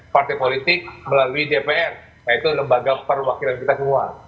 partai politik melalui dpr yaitu lembaga perwakilan kita semua